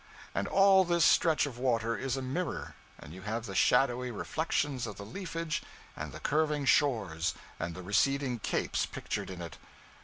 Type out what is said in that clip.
And all this stretch of river is a mirror, and you have the shadowy reflections of the leafage and the curving shores and the receding capes pictured in it.